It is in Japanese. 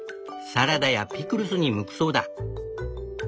サラダやピクルスに向くそうだ。